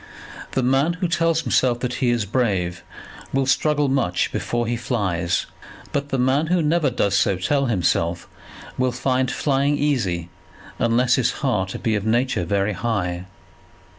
The man who tells himself that he is brave, will struggle much before he flies; but the man who never does so tell himself, will find flying easy unless his heart be of nature very high.